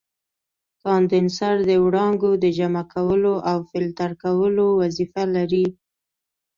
کاندنسر د وړانګو د جمع کولو او فلټر کولو وظیفه لري.